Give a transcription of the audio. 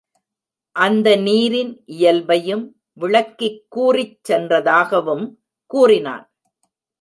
அந்த நீரின் இயல்பையும் விளக்கிக் கூறிச் சென்றதாகவும் கூறினான்.